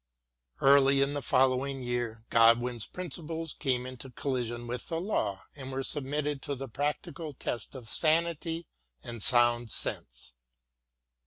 Early in the following year Godwin's principles came into collision with the law and were sub mitted to the practical test of sanity and sound 8o WILLIAM GODWIN AND sense.